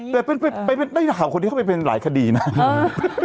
แต่ไปไปไปได้ถามคนที่เขาไปเป็นหลายคดีนะเออ